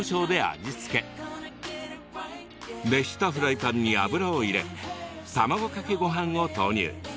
熱したフライパンに油を入れ卵かけごはんを投入。